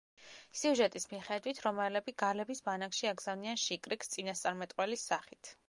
სიუჟეტის მიხედვით, რომაელები გალების ბანაკში აგზავნიან შიკრიკს წინასწარმეტყველის სახით.